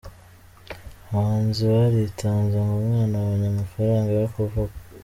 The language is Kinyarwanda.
Abahanzi baritanze ngo umwana abonye amafaranga yo kuvugwa.